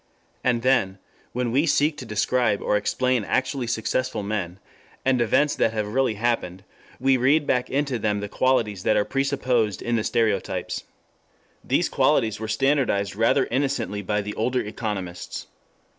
And then, when we seek to describe or explain actually successful men, and events that have really happened, we read back into them the qualities that are presupposed in the stereotypes. These qualities were standardized rather innocently by the older economists.